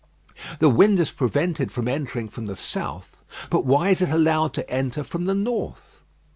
The wind is prevented from entering from the south; but why is it allowed to enter from the north?